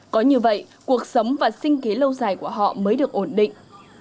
có như vậy cuộc sống và sinh kế lâu dài của họ mới được ổn định